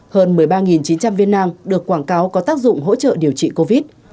hơn một mươi ba chín trăm linh viên nam được quảng cáo có tác dụng hỗ trợ điều trị covid